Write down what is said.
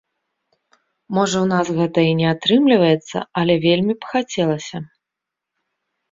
Можа ў нас гэта і не атрымліваецца, але вельмі б хацелася.